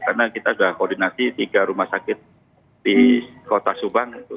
karena kita sudah koordinasi tiga rumah sakit di kota subang